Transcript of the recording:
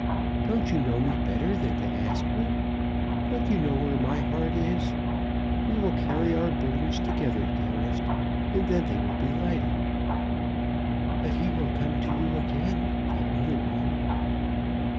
"Don't you know me better than to ask me? Don't you know where my heart is? We will carry our burdens together, dearest, and then they will be lighter." "But he will come to you again; that other one."